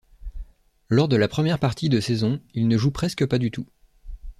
Lors de la première partie de saison, il ne joue presque pas du tout.